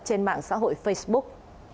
trên mạng xã hội facebook